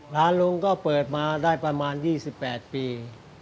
ร้านลุงก็เปิดมาได้ประมาณ๒๘ปี